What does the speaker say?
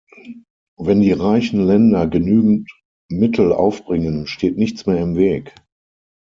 Wenn die reichen Länder genügend Mittel aufbringen, steht nichts mehr im Weg.